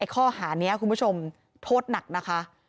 ข้อหานี้คุณผู้ชมโทษหนักนะคะ